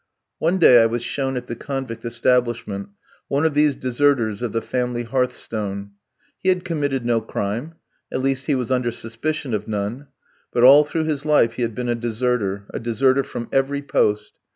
One day, I was shown at the convict establishment one of these deserters of the family hearthstone. He had committed no crime at least, he was under suspicion of none but all through his life he had been a deserter, a deserter from every post.